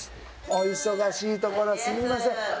お忙しいところすいません